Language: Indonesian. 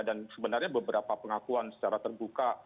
dan sebenarnya beberapa pengakuan secara terbuka